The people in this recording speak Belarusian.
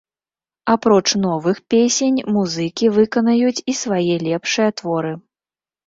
Апроч новых песень музыкі выканаюць і свае лепшыя творы.